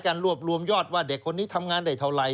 รวบรวมยอดว่าเด็กคนนี้ทำงานได้เท่าไหร